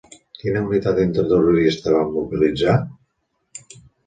Quina unitat antiterrorista van mobilitzar?